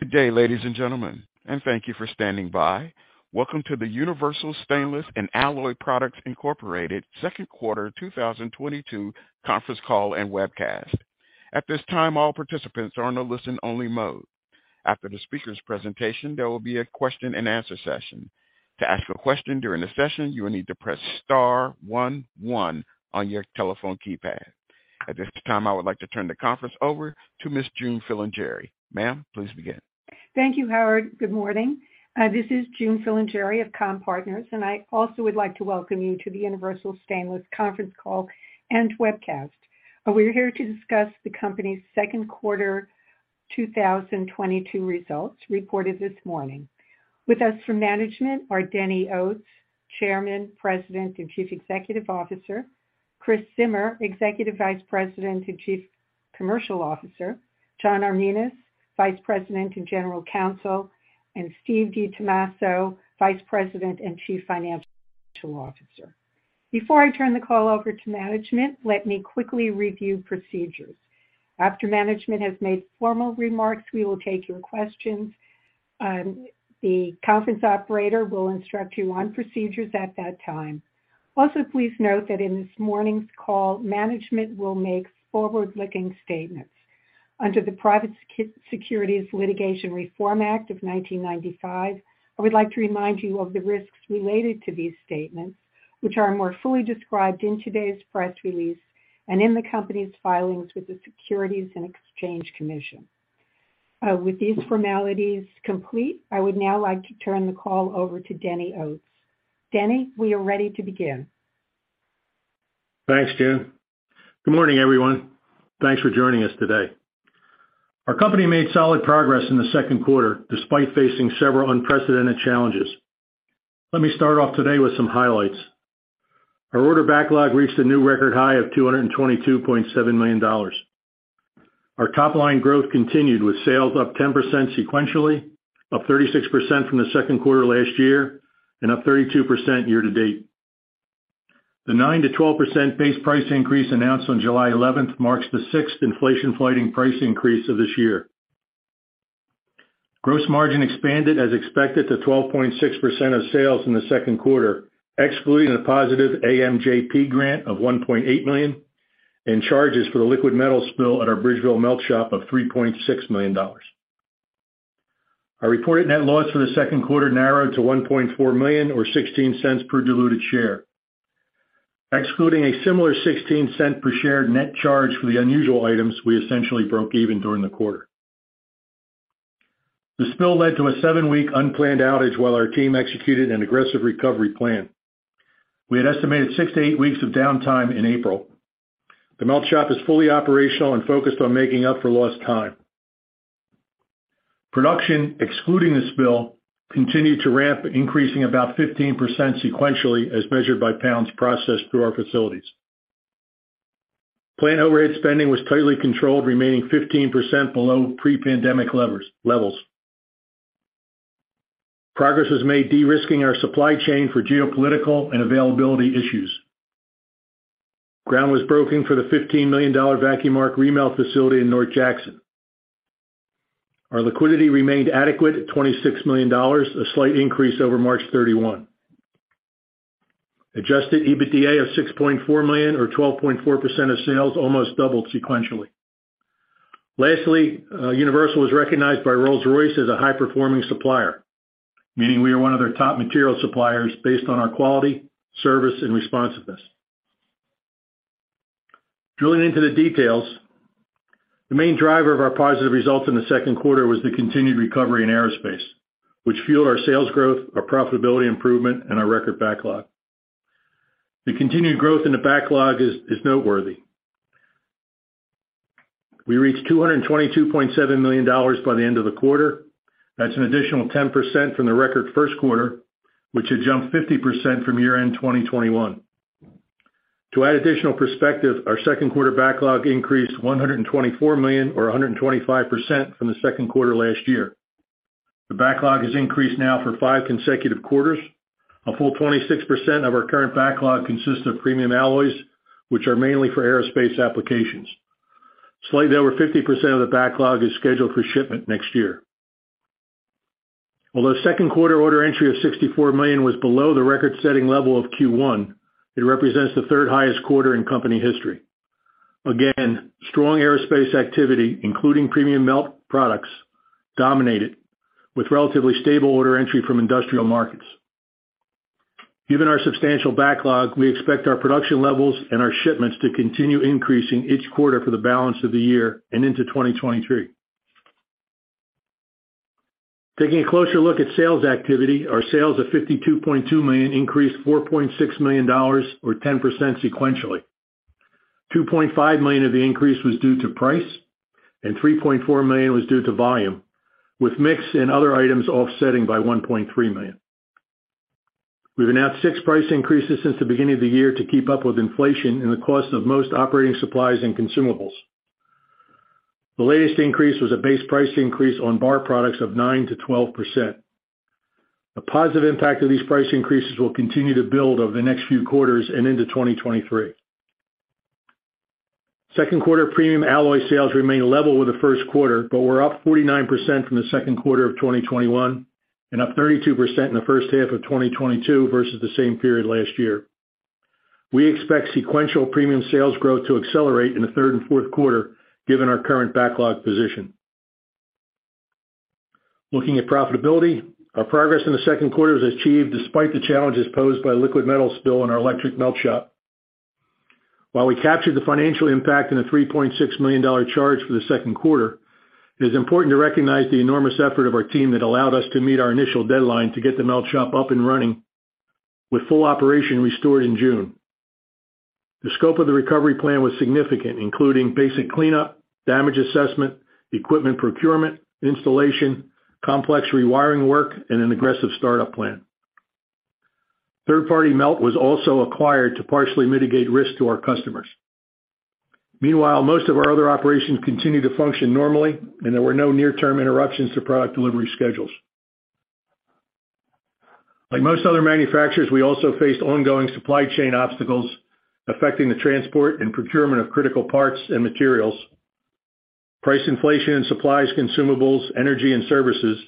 Good day, ladies and gentlemen, and thank you for standing by. Welcome to the Universal Stainless & Alloy Products Incorporated Second Quarter 2022 Conference Call and Webcast. At this time, all participants are in a listen-only mode. After the speaker's presentation, there will be a question-and-answer session. To ask a question during the session, you will need to press star one one on your telephone keypad. At this time, I would like to turn the conference over to Miss June Filingeri. Ma'am, please begin. Thank you, Howard. Good morning. This is June Filingeri of Comm-Partners, and I also would like to welcome you to the Universal Stainless conference call and webcast. We're here to discuss the company's second quarter 2022 results reported this morning. With us from management are Dennis Oates, Chairman, President, and Chief Executive Officer, Christopher Zimmer, Executive Vice President and Chief Commercial Officer, John Arminas, Vice President and General Counsel, and Steven DiTommaso, Vice President and Chief Financial Officer. Before I turn the call over to management, let me quickly review procedures. After management has made formal remarks, we will take your questions. The conference operator will instruct you on procedures at that time. Also, please note that in this morning's call, management will make forward-looking statements. Under the Private Securities Litigation Reform Act of 1995, I would like to remind you of the risks related to these statements, which are more fully described in today's press release and in the company's filings with the Securities and Exchange Commission. With these formalities complete, I would now like to turn the call over to Denny Oates. Denny, we are ready to begin. Thanks, June. Good morning, everyone. Thanks for joining us today. Our company made solid progress in the second quarter despite facing several unprecedented challenges. Let me start off today with some highlights. Our order backlog reached a new record high of $222.7 million. Our top line growth continued with sales up 10% sequentially, up 36% from the second quarter last year, and up 32% year to date. The 9%-12% base price increase announced on July eleventh marks the sixth inflation-fighting price increase of this year. Gross margin expanded as expected to 12.6% of sales in the second quarter, excluding a positive AMJP grant of $1.8 million and charges for the liquid metal spill at our Bridgeville melt shop of $3.6 million. Our reported net loss for the second quarter narrowed to $1.4 million or $0.16 per diluted share. Excluding a similar $0.16 per share net charge for the unusual items, we essentially broke even during the quarter. The spill led to a 7-week unplanned outage while our team executed an aggressive recovery plan. We had estimated 6-8 weeks of downtime in April. The melt shop is fully operational and focused on making up for lost time. Production, excluding the spill, continued to ramp, increasing about 15% sequentially as measured by pounds processed through our facilities. Plant overhead spending was tightly controlled, remaining 15% below pre-pandemic levels. Progress was made de-risking our supply chain for geopolitical and availability issues. Ground was broken for the $15 million VAR remelt facility in North Jackson. Our liquidity remained adequate at $26 million, a slight increase over March 31. Adjusted EBITDA of $6.4 million or 12.4% of sales almost doubled sequentially. Lastly, Universal was recognized by Rolls-Royce as a high-performing supplier, meaning we are one of their top material suppliers based on our quality, service, and responsiveness. Drilling into the details, the main driver of our positive results in the second quarter was the continued recovery in aerospace, which fueled our sales growth, our profitability improvement, and our record backlog. The continued growth in the backlog is noteworthy. We reached $222.7 million by the end of the quarter. That's an additional 10% from the record first quarter, which had jumped 50% from year-end 2021. To add additional perspective, our second quarter backlog increased $124 million or 125% from the second quarter last year. The backlog has increased now for 5 consecutive quarters. A full 26% of our current backlog consists of premium alloys, which are mainly for aerospace applications. Slightly over 50% of the backlog is scheduled for shipment next year. Although second quarter order entry of $64 million was below the record-setting level of Q1, it represents the 3rd highest quarter in company history. Again, strong aerospace activity, including premium melt products, dominated with relatively stable order entry from industrial markets. Given our substantial backlog, we expect our production levels and our shipments to continue increasing each quarter for the balance of the year and into 2023. Taking a closer look at sales activity. Our sales of $52.2 million increased $4.6 million or 10% sequentially. $2.5 million of the increase was due to price, and $3.4 million was due to volume, with mix and other items offsetting by $1.3 million. We've announced six price increases since the beginning of the year to keep up with inflation and the cost of most operating supplies and consumables. The latest increase was a base price increase on bar products of 9%-12%. A positive impact of these price increases will continue to build over the next few quarters and into 2023. Second quarter premium alloy sales remain level with the first quarter, but we're up 49% from the second quarter of 2021, and up 32% in the first half of 2022 versus the same period last year. We expect sequential premium sales growth to accelerate in the third and fourth quarter given our current backlog position. Looking at profitability, our progress in the second quarter was achieved despite the challenges posed by liquid metal spill in our electric melt shop. While we captured the financial impact in a $3.6 million charge for the second quarter, it is important to recognize the enormous effort of our team that allowed us to meet our initial deadline to get the melt shop up and running with full operation restored in June. The scope of the recovery plan was significant, including basic cleanup, damage assessment, equipment procurement, installation, complex rewiring work, and an aggressive startup plan. Third-party melt was also acquired to partially mitigate risk to our customers. Meanwhile, most of our other operations continued to function normally and there were no near-term interruptions to product delivery schedules. Like most other manufacturers, we also faced ongoing supply chain obstacles affecting the transport and procurement of critical parts and materials, price inflation in supplies, consumables, energy and services,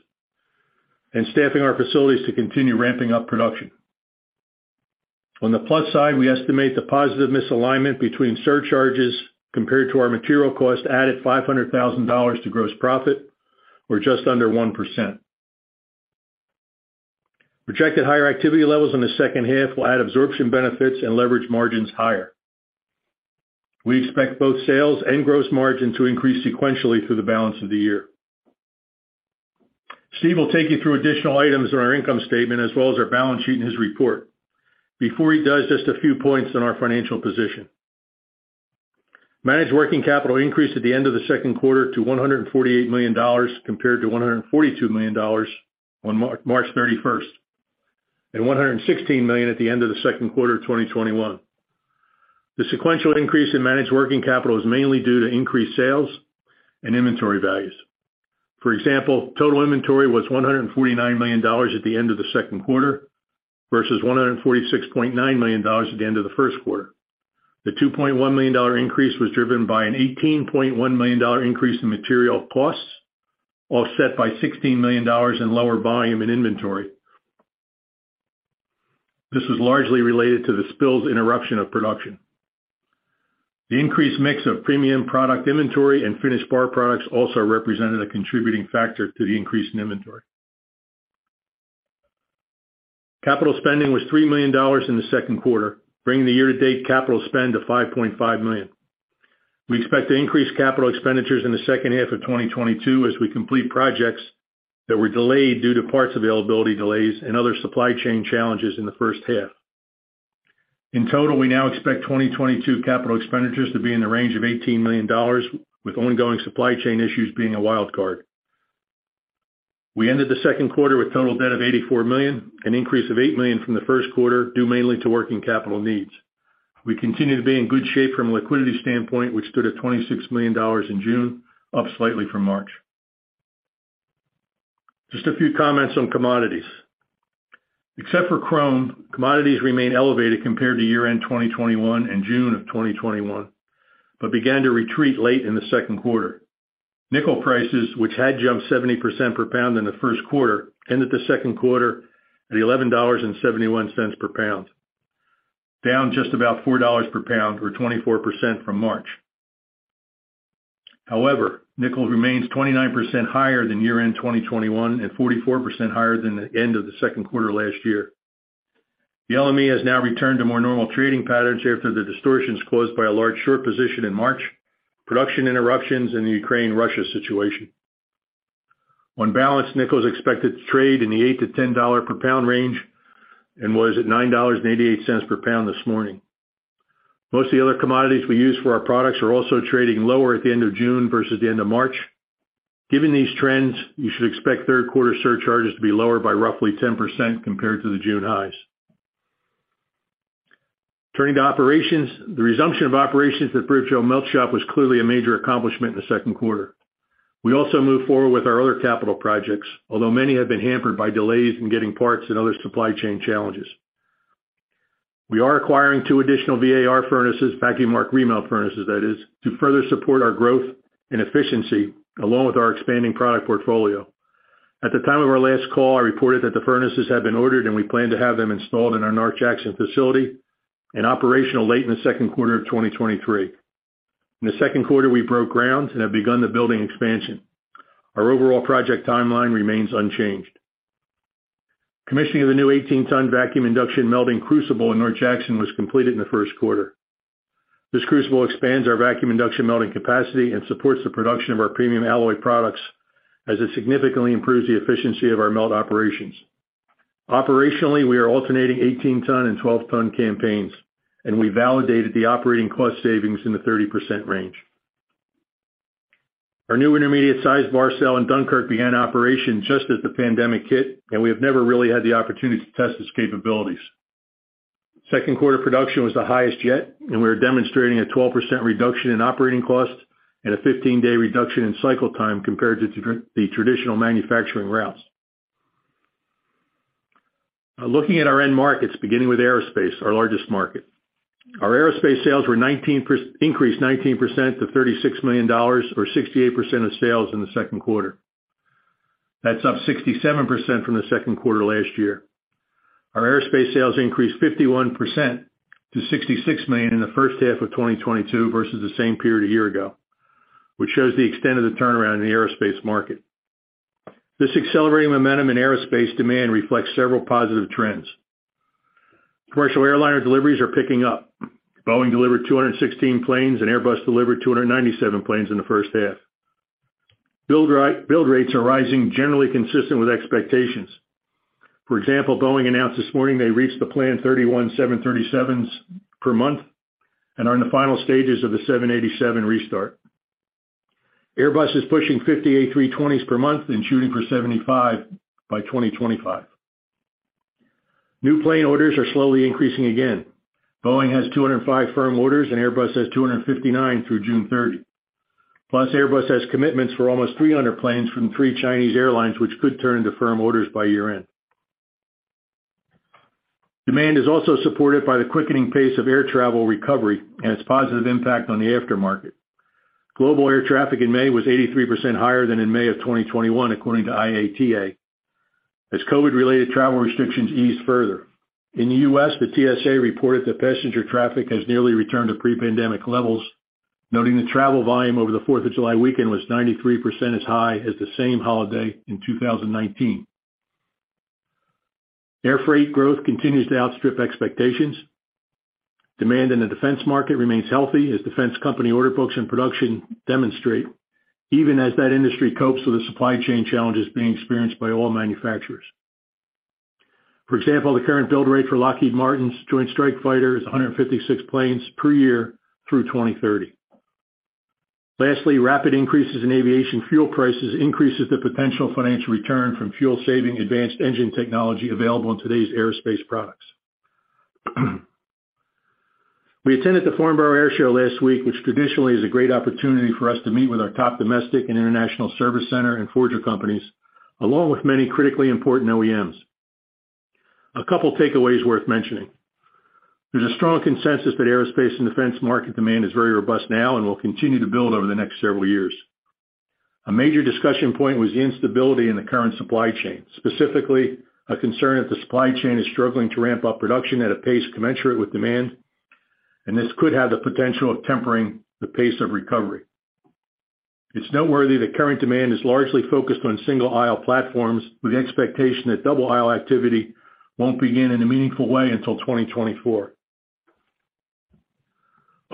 and staffing our facilities to continue ramping up production. On the plus side, we estimate the positive misalignment between surcharges compared to our material cost added $500,000 to gross profit or just under 1%. Projected higher activity levels in the second half will add absorption benefits and leverage margins higher. We expect both sales and gross margin to increase sequentially through the balance of the year. Steve will take you through additional items in our income statement as well as our balance sheet in his report. Before he does, just a few points on our financial position. Managed working capital increased at the end of the second quarter to $148 million compared to $142 million on March 31, and $116 million at the end of the second quarter of 2021. The sequential increase in managed working capital was mainly due to increased sales and inventory values. For example, total inventory was $149 million at the end of the second quarter versus $146.9 million at the end of the first quarter. The $2.1 million increase was driven by an $18.1 million increase in material costs, offset by $16 million in lower volume and inventory. This was largely related to the mill's interruption of production. The increased mix of premium product inventory and finished bar products also represented a contributing factor to the increase in inventory. Capital spending was $3 million in the second quarter, bringing the year-to-date capital spend to $5.5 million. We expect to increase capital expenditures in the second half of 2022 as we complete projects that were delayed due to parts availability delays and other supply chain challenges in the first half. In total, we now expect 2022 capital expenditures to be in the range of $18 million, with ongoing supply chain issues being a wild card. We ended the second quarter with total debt of $84 million, an increase of $8 million from the first quarter, due mainly to working capital needs. We continue to be in good shape from a liquidity standpoint, which stood at $26 million in June, up slightly from March. Just a few comments on commodities. Except for chrome, commodities remain elevated compared to year-end 2021 and June of 2021, but began to retreat late in the second quarter. Nickel prices, which had jumped 70% per pound in the first quarter, ended the second quarter at $11.71 per pound, down just about $4 per pound or 24% from March. However, nickel remains 29% higher than year-end 2021 and 44% higher than the end of the second quarter last year. The LME has now returned to more normal trading patterns after the distortions caused by a large short position in March, production interruptions in the Ukraine-Russia situation. On balance, nickel is expected to trade in the $8-$10 per pound range and was at $9.88 per pound this morning. Most of the other commodities we use for our products are also trading lower at the end of June versus the end of March. Given these trends, you should expect third quarter surcharges to be lower by roughly 10% compared to the June highs. Turning to operations. The resumption of operations at Bridgeville melt shop was clearly a major accomplishment in the second quarter. We also moved forward with our other capital projects, although many have been hampered by delays in getting parts and other supply chain challenges. We are acquiring 2 additional VAR furnaces, vacuum arc remelting furnaces that is, to further support our growth and efficiency along with our expanding product portfolio. At the time of our last call, I reported that the furnaces had been ordered, and we plan to have them installed in our North Jackson facility and operational late in the second quarter of 2023. In the second quarter, we broke ground and have begun the building expansion. Our overall project timeline remains unchanged. Commissioning of the new 18-ton vacuum induction melting crucible in North Jackson was completed in the first quarter. This crucible expands our vacuum induction melting capacity and supports the production of our premium alloy products as it significantly improves the efficiency of our melt operations. Operationally, we are alternating 18-ton and 12-ton campaigns, and we validated the operating cost savings in the 30% range. Our new intermediate-sized bar cell in Dunkirk began operation just as the pandemic hit, and we have never really had the opportunity to test its capabilities. Second quarter production was the highest yet, and we are demonstrating a 12% reduction in operating costs and a 15-day reduction in cycle time compared to the traditional manufacturing routes. Looking at our end markets, beginning with aerospace, our largest market. Our aerospace sales increased 19% to $36 million, or 68% of sales in the second quarter. That's up 67% from the second quarter last year. Our aerospace sales increased 51% to $66 million in the first half of 2022 versus the same period a year ago, which shows the extent of the turnaround in the aerospace market. This accelerating momentum in aerospace demand reflects several positive trends. Commercial airliner deliveries are picking up. Boeing delivered 216 planes, and Airbus delivered 297 planes in the first half. Build rates are rising generally consistent with expectations. For example, Boeing announced this morning they reached the planned 31 737s per month and are in the final stages of the 787 restart. Airbus is pushing 50 A320s per month and shooting for 75 by 2025. New plane orders are slowly increasing again. Boeing has 205 firm orders, and Airbus has 259 through June 30. Plus, Airbus has commitments for almost 300 planes from three Chinese airlines, which could turn into firm orders by year-end. Demand is also supported by the quickening pace of air travel recovery and its positive impact on the aftermarket. Global air traffic in May was 83% higher than in May of 2021, according to IATA, as COVID-related travel restrictions eased further. In the US, the TSA reported that passenger traffic has nearly returned to pre-pandemic levels, noting the travel volume over the Fourth of July weekend was 93% as high as the same holiday in 2019. Air freight growth continues to outstrip expectations. Demand in the defense market remains healthy as defense company order books and production demonstrate, even as that industry copes with the supply chain challenges being experienced by all manufacturers. For example, the current build rate for Lockheed Martin's Joint Strike Fighter is 156 planes per year through 2030. Lastly, rapid increases in aviation fuel prices increases the potential financial return from fuel-saving advanced engine technology available in today's aerospace products. We attended the Farnborough Airshow last week, which traditionally is a great opportunity for us to meet with our top domestic and international service center and forger companies, along with many critically important OEMs. A couple takeaways worth mentioning. There's a strong consensus that aerospace and defense market demand is very robust now and will continue to build over the next several years. A major discussion point was the instability in the current supply chain, specifically a concern that the supply chain is struggling to ramp up production at a pace commensurate with demand, and this could have the potential of tempering the pace of recovery. It's noteworthy that current demand is largely focused on single aisle platforms with the expectation that double aisle activity won't begin in a meaningful way until 2024.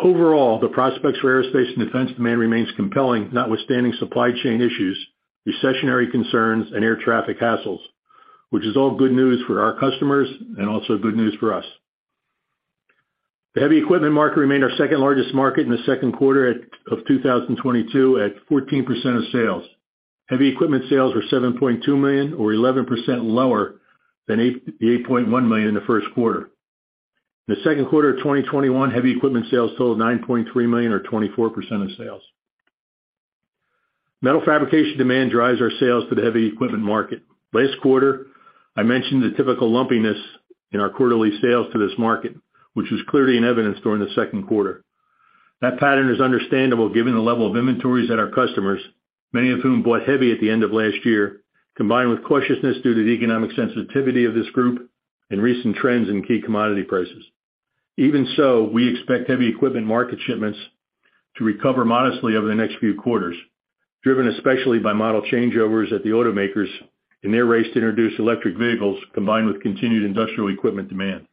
Overall, the prospects for aerospace and defense demand remains compelling, notwithstanding supply chain issues, recessionary concerns, and air traffic hassles, which is all good news for our customers and also good news for us. The heavy equipment market remained our second-largest market in the second quarter of 2022 at 14% of sales. Heavy equipment sales were $7.2 million or 11% lower than the $8.1 million in the first quarter. The second quarter of 2021, heavy equipment sales totaled $9.3 million or 24% of sales. Metal fabrication demand drives our sales to the heavy equipment market. Last quarter, I mentioned the typical lumpiness in our quarterly sales to this market, which was clearly in evidence during the second quarter. That pattern is understandable given the level of inventories at our customers, many of whom bought heavy at the end of last year, combined with cautiousness due to the economic sensitivity of this group and recent trends in key commodity prices. Even so, we expect heavy equipment market shipments to recover modestly over the next few quarters, driven especially by model changeovers at the automakers in their race to introduce electric vehicles combined with continued industrial equipment demand.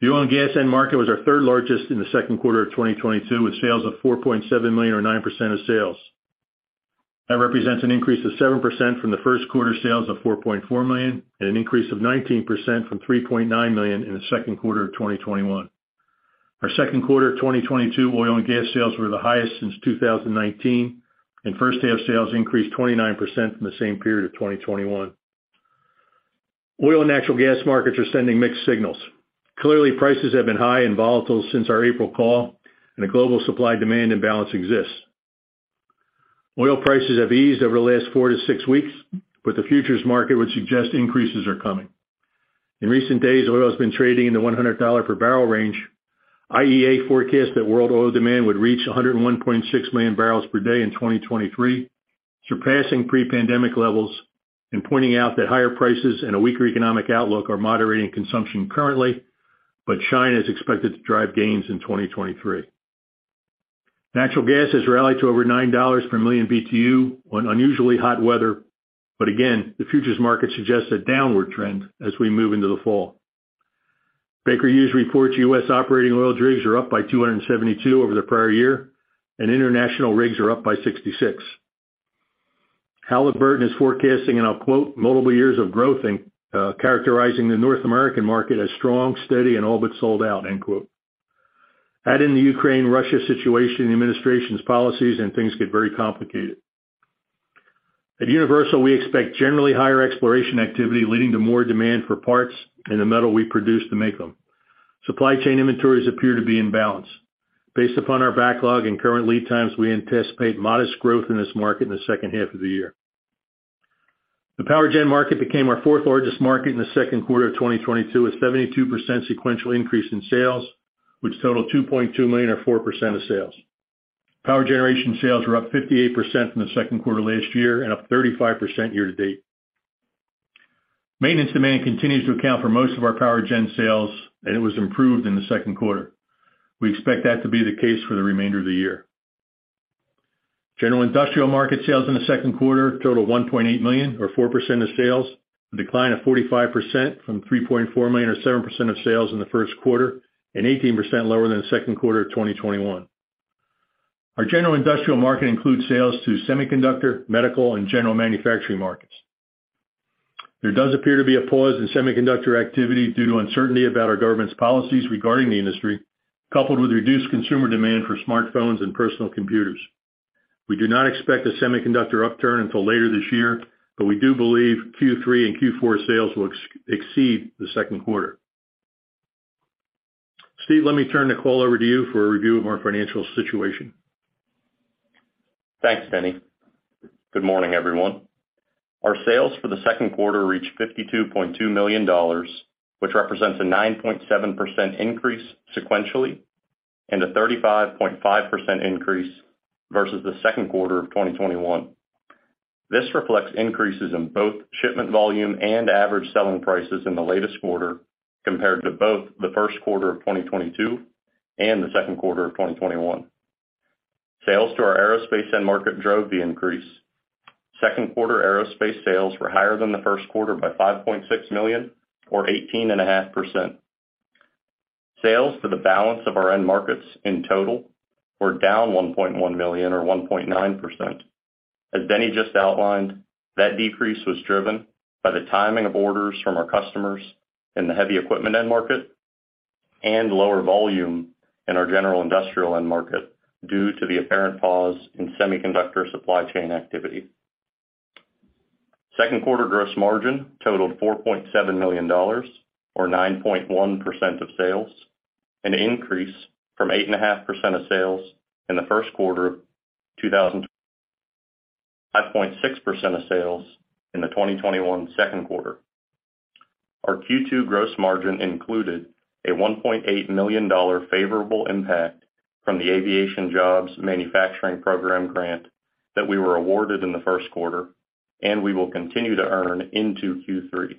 The oil and gas end market was our third largest in the second quarter of 2022, with sales of $4.7 million or 9% of sales. That represents an increase of 7% from the first quarter sales of $4.4 million, and an increase of 19% from $3.9 million in the second quarter of 2021. Our second quarter of 2022 oil and gas sales were the highest since 2019, and first half sales increased 29% from the same period of 2021. Oil and natural gas markets are sending mixed signals. Clearly, prices have been high and volatile since our April call, and a global supply-demand imbalance exists. Oil prices have eased over the last 4-6 weeks, but the futures market would suggest increases are coming. In recent days, oil has been trading in the $100 per barrel range. IEA forecasts that world oil demand would reach 101.6 million barrels per day in 2023, surpassing pre-pandemic levels and pointing out that higher prices and a weaker economic outlook are moderating consumption currently, but China is expected to drive gains in 2023. Natural gas has rallied to over $9 per million BTU on unusually hot weather, but again, the futures market suggests a downward trend as we move into the fall. Baker Hughes reports U.S. operating oil rigs are up by 272 over the prior year, and international rigs are up by 66. Halliburton is forecasting, and I'll quote, "Multiple years of growth in characterizing the North American market as strong, steady, and all but sold out." End quote. Add in the Ukraine-Russia situation, the administration's policies, and things get very complicated. At Universal, we expect generally higher exploration activity, leading to more demand for parts and the metal we produce to make them. Supply chain inventories appear to be in balance. Based upon our backlog and current lead times, we anticipate modest growth in this market in the second half of the year. The power gen market became our fourth largest market in the second quarter of 2022, with 72% sequential increase in sales, which totaled $2.2 million or 4% of sales. Power generation sales were up 58% from the second quarter last year and up 35% year-to-date. Maintenance demand continues to account for most of our power gen sales, and it was improved in the second quarter. We expect that to be the case for the remainder of the year. General industrial market sales in the second quarter totaled $1.8 million or 4% of sales, a decline of 45% from $3.4 million or 7% of sales in the first quarter and 18% lower than the second quarter of 2021. Our general industrial market includes sales to semiconductor, medical, and general manufacturing markets. There does appear to be a pause in semiconductor activity due to uncertainty about our government's policies regarding the industry, coupled with reduced consumer demand for smartphones and personal computers. We do not expect a semiconductor upturn until later this year. We do believe Q3 and Q4 sales will exceed the second quarter. Steve, let me turn the call over to you for a review of our financial situation. Thanks, Denny. Good morning, everyone. Our sales for the second quarter reached $52.2 million, which represents a 9.7% increase sequentially and a 35.5% increase versus the second quarter of 2021. This reflects increases in both shipment volume and average selling prices in the latest quarter compared to both the first quarter of 2022 and the second quarter of 2021. Sales to our aerospace end market drove the increase. Second quarter aerospace sales were higher than the first quarter by $5.6 million or 18.5%. Sales for the balance of our end markets in total were down $1.1 million or 1.9%. As Denny just outlined, that decrease was driven by the timing of orders from our customers in the heavy equipment end market and lower volume in our general industrial end market due to the apparent pause in semiconductor supply chain activity. Second quarter gross margin totaled $4.7 million, or 9.1% of sales, an increase from 8.5% of sales in the first quarter of 2022, 5.6% of sales in the 2021 second quarter. Our Q2 gross margin included a $1.8 million favorable impact from the Aviation Manufacturing Jobs Protection Program grant that we were awarded in the first quarter, and we will continue to earn into Q3.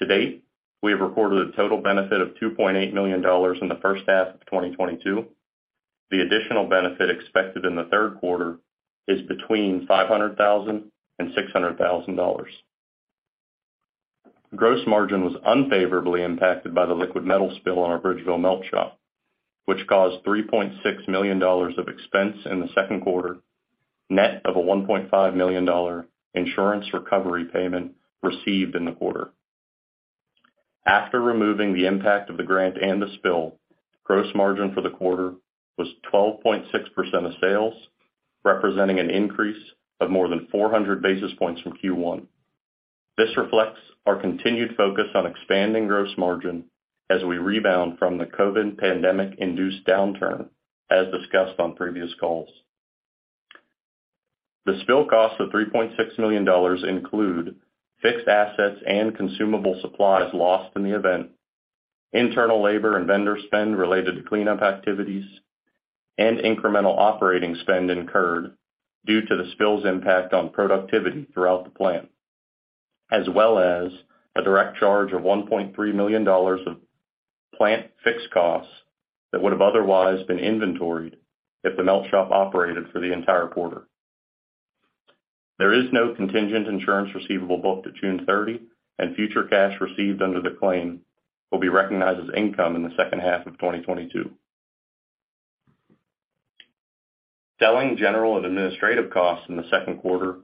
To date, we have reported a total benefit of $2.8 million in the first half of 2022. The additional benefit expected in the third quarter is between $500,000 and $600,000. Gross margin was unfavorably impacted by the liquid metal spill on our Bridgeville melt shop, which caused $3.6 million of expense in the second quarter, net of a $1.5 million insurance recovery payment received in the quarter. After removing the impact of the grant and the spill, gross margin for the quarter was 12.6% of sales, representing an increase of more than 400 basis points from Q1. This reflects our continued focus on expanding gross margin as we rebound from the COVID pandemic-induced downturn, as discussed on previous calls. The spill costs of $3.6 million include fixed assets and consumable supplies lost in the event, internal labor and vendor spend related to cleanup activities, and incremental operating spend incurred due to the spill's impact on productivity throughout the plant, as well as a direct charge of $1.3 million of plant fixed costs that would have otherwise been inventoried if the melt shop operated for the entire quarter. There is no contingent insurance receivable booked at June 30, and future cash received under the claim will be recognized as income in the second half of 2022. Selling, general, and administrative costs in the second quarter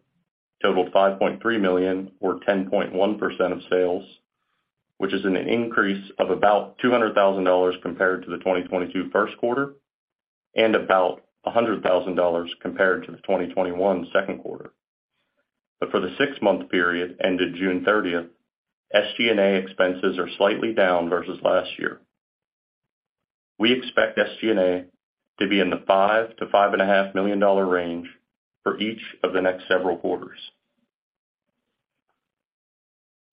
totaled $5.3 million or 10.1% of sales, which is an increase of about $200,000 compared to the 2022 first quarter and about $100,000 compared to the 2021 second quarter. For the six-month period ended June 30, SG&A expenses are slightly down versus last year. We expect SG&A to be in the $5-$5.5 million range for each of the next several quarters.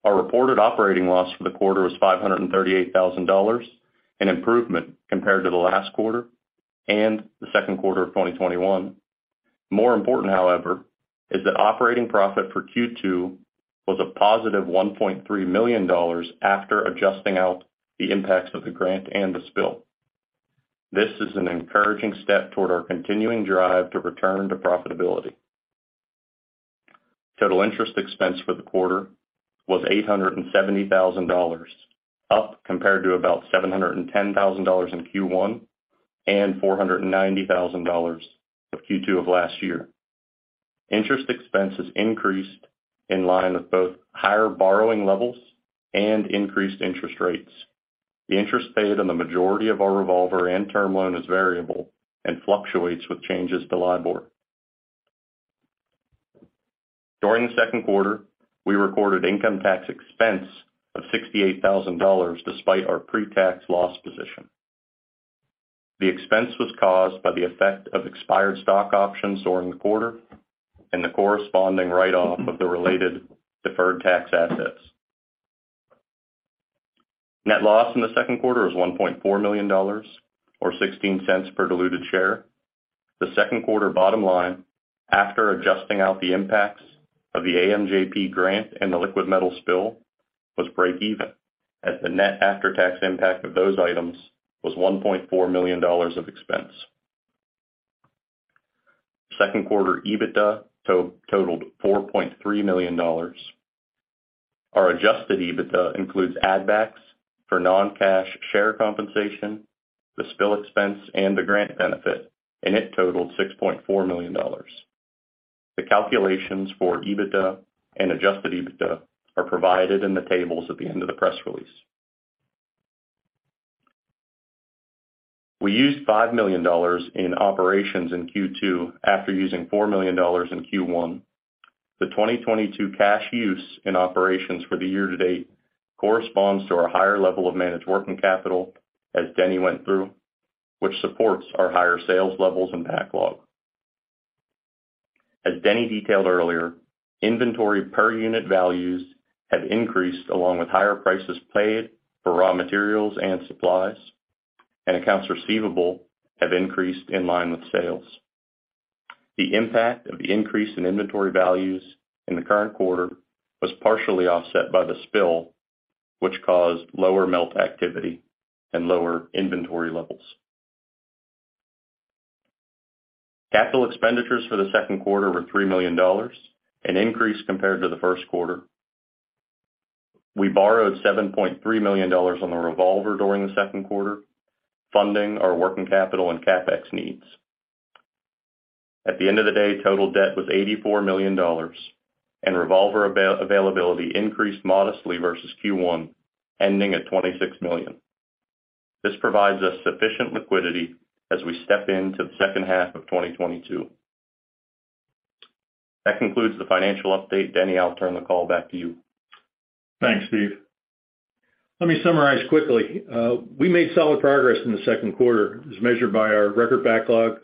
Our reported operating loss for the quarter was $538,000, an improvement compared to the last quarter and the second quarter of 2021. More important, however, is that operating profit for Q2 was a positive $1.3 million after adjusting out the impacts of the grant and the spill. This is an encouraging step toward our continuing drive to return to profitability. Total interest expense for the quarter was $870,000, up compared to about $710,000 in Q1 and $490,000 of Q2 of last year. Interest expenses increased in line with both higher borrowing levels and increased interest rates. The interest paid on the majority of our revolver and term loan is variable and fluctuates with changes to LIBOR. During the second quarter, we recorded income tax expense of $68,000 despite our pre-tax loss position. The expense was caused by the effect of expired stock options during the quarter and the corresponding write-off of the related deferred tax assets. Net loss in the second quarter was $1.4 million or $0.16 per diluted share. The second quarter bottom line, after adjusting out the impacts of the AMJP grant and the liquid metal spill, was breakeven as the net after-tax impact of those items was $1.4 million of expense. Second quarter EBITDA totaled $4.3 million. Our Adjusted EBITDA includes add backs for non-cash share compensation, the spill expense and the grant benefit, and it totaled $6.4 million. The calculations for EBITDA and Adjusted EBITDA are provided in the tables at the end of the press release. We used $5 million in operations in Q2 after using $4 million in Q1. The 2022 cash use in operations for the year to date corresponds to our higher level of managed working capital as Denny went through, which supports our higher sales levels and backlog. As Denny detailed earlier, inventory per unit values have increased along with higher prices paid for raw materials and supplies, and accounts receivable have increased in line with sales. The impact of the increase in inventory values in the current quarter was partially offset by the spill, which caused lower melt activity and lower inventory levels. Capital expenditures for the second quarter were $3 million, an increase compared to the first quarter. We borrowed $7.3 million on the revolver during the second quarter, funding our working capital and CapEx needs. At the end of the day, total debt was $84 million, and revolver availability increased modestly versus Q1, ending at $26 million. This provides us sufficient liquidity as we step into the second half of 2022. That concludes the financial update. Denny, I'll turn the call back to you. Thanks, Steve. Let me summarize quickly. We made solid progress in the second quarter as measured by our record backlog,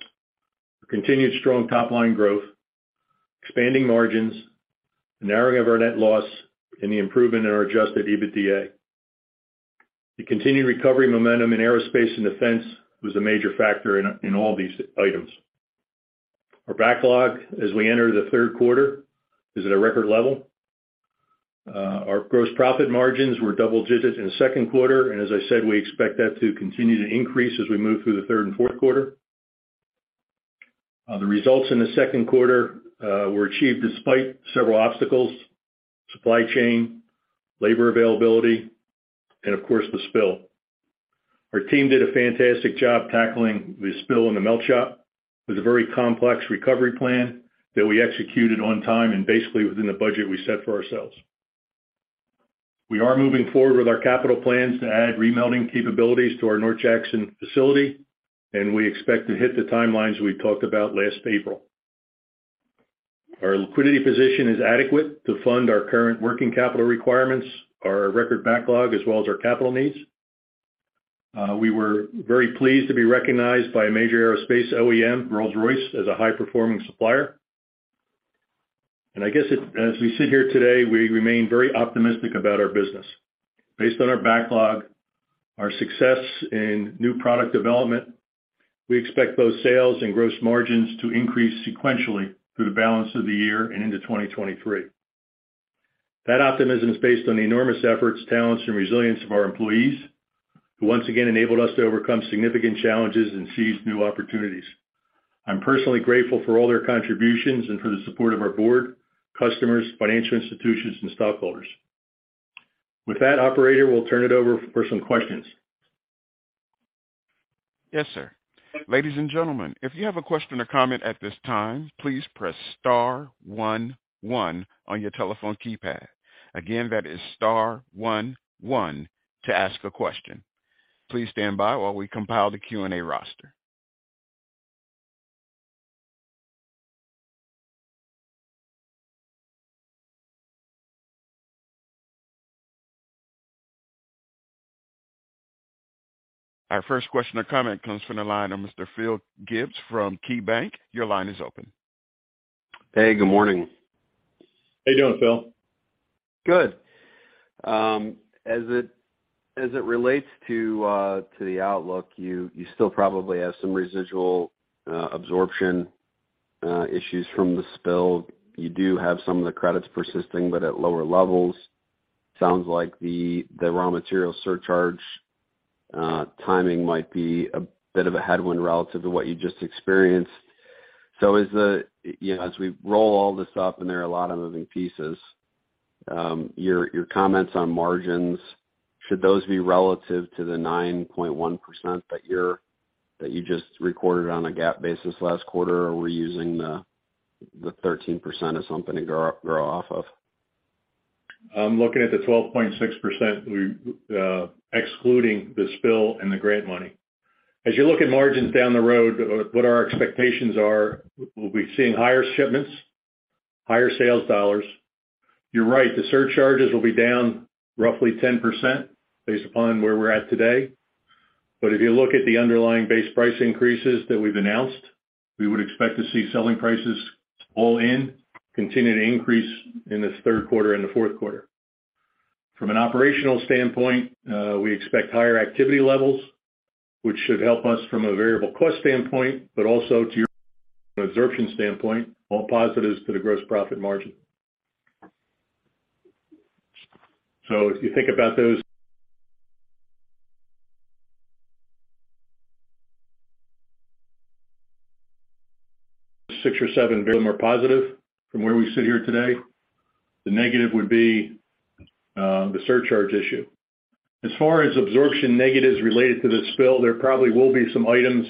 continued strong top line growth, expanding margins, the narrowing of our net loss, and the improvement in our Adjusted EBITDA. The continued recovery momentum in aerospace and defense was a major factor in all these items. Our backlog as we enter the third quarter is at a record level. Our gross profit margins were double digits in the second quarter, and as I said, we expect that to continue to increase as we move through the third and fourth quarter. The results in the second quarter were achieved despite several obstacles, supply chain, labor availability, and of course, the spill. Our team did a fantastic job tackling the spill in the melt shop. It was a very complex recovery plan that we executed on time and basically within the budget we set for ourselves. We are moving forward with our capital plans to add re-melting capabilities to our North Jackson facility, and we expect to hit the timelines we talked about last April. Our liquidity position is adequate to fund our current working capital requirements, our record backlog, as well as our capital needs. We were very pleased to be recognized by a major aerospace OEM, Rolls-Royce, as a high-performing supplier. As we sit here today, we remain very optimistic about our business. Based on our backlog, our success in new product development, we expect both sales and gross margins to increase sequentially through the balance of the year and into 2023. That optimism is based on the enormous efforts, talents, and resilience of our employees, who once again enabled us to overcome significant challenges and seize new opportunities. I'm personally grateful for all their contributions and for the support of our board, customers, financial institutions and stockholders. With that, operator, we'll turn it over for some questions. Yes, sir. Ladies and gentlemen, if you have a question or comment at this time, please press star one one on your telephone keypad. Again, that is star one one to ask a question. Please stand by while we compile the Q&A roster. Our first question or comment comes from the line of Mr. Philip Gibbs from KeyBanc. Your line is open. Hey, good morning. How you doing, Phil? Good. As it relates to the outlook, you still probably have some residual absorption issues from the spill. You do have some of the credits persisting but at lower levels. Sounds like the raw material surcharge timing might be a bit of a headwind relative to what you just experienced. You know, as we roll all this up, and there are a lot of moving pieces, your comments on margins, should those be relative to the 9.1% that you just recorded on a GAAP basis last quarter, or are we using the 13% as something to grow off of? I'm looking at the 12.6%, excluding the spill and the grant money. As you look at margins down the road, what our expectations are, we'll be seeing higher shipments, higher sales dollars. You're right. The surcharges will be down roughly 10% based upon where we're at today. But if you look at the underlying base price increases that we've announced, we would expect to see selling prices all in continue to increase in this third quarter and the fourth quarter. From an operational standpoint, we expect higher activity levels, which should help us from a variable cost standpoint, but also to our absorption standpoint, all positives to the gross profit margin. If you think about those six or seven points more positive from where we sit here today, the negative would be the surcharge issue. As far as absorption negatives related to the spill, there probably will be some items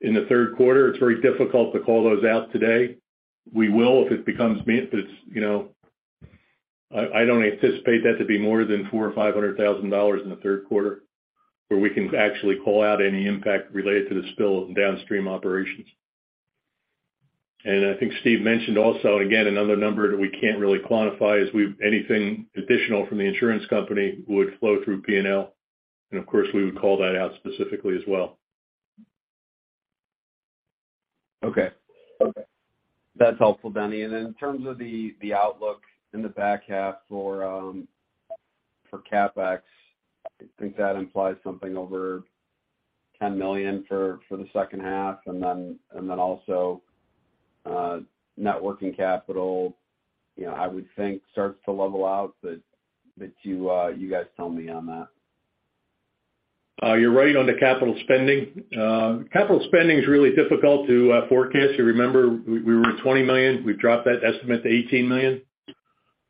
in the third quarter. It's very difficult to call those out today. You know, I don't anticipate that to be more than $400,000 or $500,000 in the third quarter, where we can actually call out any impact related to the spill in downstream operations. I think Steve mentioned also, and again, another number that we can't really quantify is whatever additional from the insurance company would flow through P&L, and of course, we would call that out specifically as well. Okay. Okay. That's helpful, Denny. In terms of the outlook in the back half for CapEx, I think that implies something over $10 million for the second half. Then also, net working capital, you know, I would think starts to level out, but you guys tell me on that. You're right on the capital spending. Capital spending is really difficult to forecast. You remember we were at $20 million. We've dropped that estimate to $18 million.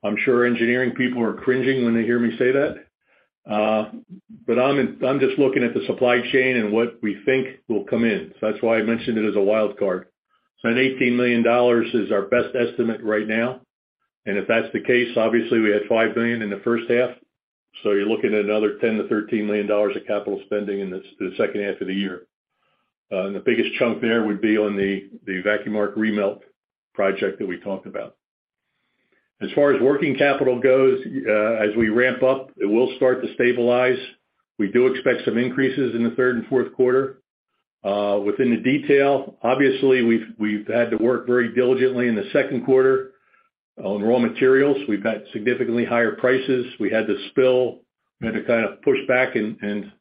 I'm sure engineering people are cringing when they hear me say that. But I'm just looking at the supply chain and what we think will come in. That's why I mentioned it as a wild card. $18 million is our best estimate right now. If that's the case, obviously we had $5 million in the first half, so you're looking at another $10-$13 million of capital spending in the second half of the year. The biggest chunk there would be on the VAR remelt project that we talked about. As far as working capital goes, as we ramp up, it will start to stabilize. We do expect some increases in the third and fourth quarter. Within the detail, obviously, we've had to work very diligently in the second quarter on raw materials. We've had significantly higher prices. We had the spill. We had to kind of push back and we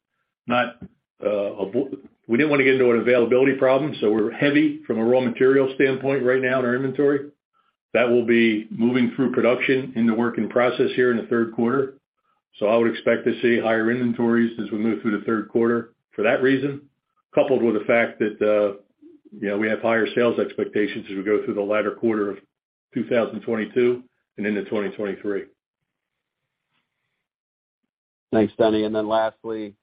didn't want to get into an availability problem, so we're heavy from a raw material standpoint right now in our inventory. That will be moving through production in the working process here in the third quarter. I would expect to see higher inventories as we move through the third quarter for that reason, coupled with the fact that, you know, we have higher sales expectations as we go through the latter quarter of 2022 and into 2023. Thanks, Denny. Lastly,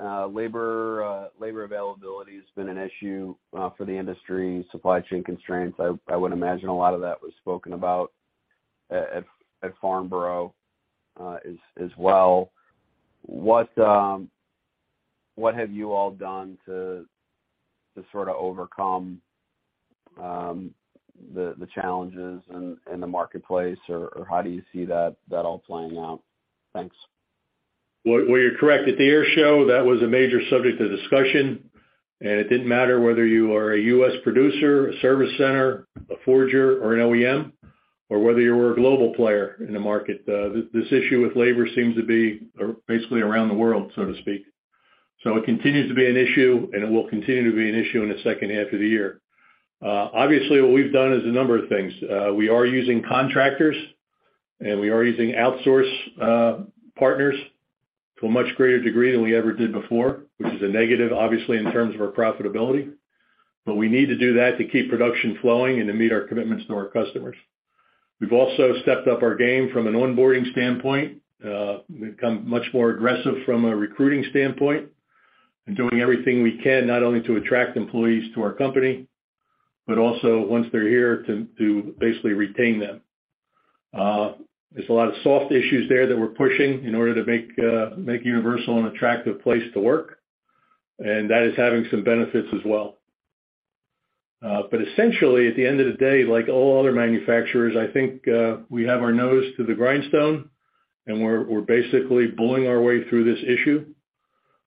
labor availability has been an issue for the industry, supply chain constraints. I would imagine a lot of that was spoken about at Farnborough, as well. What have you all done to sort of overcome the challenges in the marketplace? Or how do you see that all playing out? Thanks. Well, you're correct. At the air show, that was a major subject of discussion, and it didn't matter whether you are a U.S. producer, a service center, a forger, or an OEM, or whether you were a global player in the market. This issue with labor seems to be basically around the world, so to speak. It continues to be an issue, and it will continue to be an issue in the second half of the year. Obviously, what we've done is a number of things. We are using contractors, and we are using outsource partners to a much greater degree than we ever did before, which is a negative, obviously, in terms of our profitability. We need to do that to keep production flowing and to meet our commitments to our customers. We've also stepped up our game from an onboarding standpoint. We've become much more aggressive from a recruiting standpoint and doing everything we can not only to attract employees to our company, but also once they're here to basically retain them. There's a lot of soft issues there that we're pushing in order to make Universal an attractive place to work, and that is having some benefits as well. Essentially, at the end of the day, like all other manufacturers, I think, we have our nose to the grindstone, and we're basically bullying our way through this issue.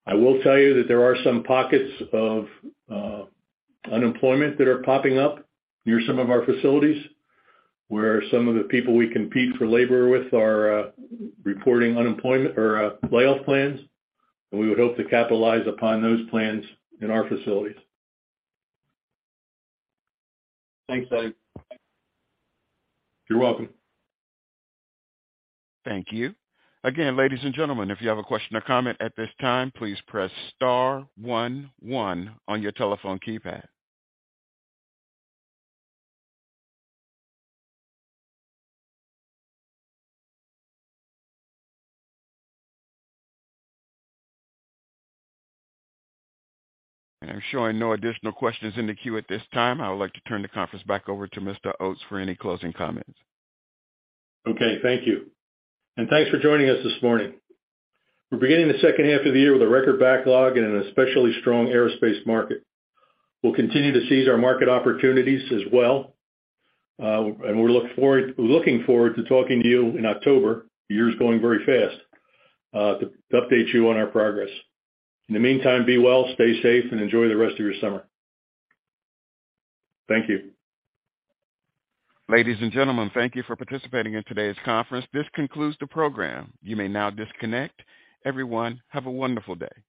I will tell you that there are some pockets of unemployment that are popping up near some of our facilities, where some of the people we compete for labor with are reporting unemployment or layoff plans, and we would hope to capitalize upon those plans in our facilities. Thanks, Denny. You're welcome. Thank you. Again, ladies and gentlemen, if you have a question or comment at this time, please press star one one on your telephone keypad. I'm showing no additional questions in the queue at this time. I would like to turn the conference back over to Mr. Oates for any closing comments. Okay. Thank you. Thanks for joining us this morning. We're beginning the second half of the year with a record backlog and an especially strong aerospace market. We'll continue to seize our market opportunities as well. We're looking forward to talking to you in October, the year's going very fast, to update you on our progress. In the meantime, be well, stay safe, and enjoy the rest of your summer. Thank you. Ladies and gentlemen, thank you for participating in today's conference. This concludes the program. You may now disconnect. Everyone, have a wonderful day.